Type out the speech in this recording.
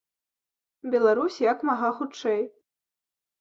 Беларусь як мага хутчэй.